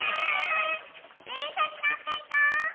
でんしゃにのっていこう！